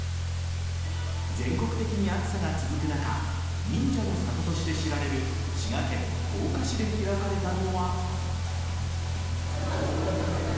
全国的に暑さが続く中忍者の里として知られる滋賀県甲賀市で開かれたのは。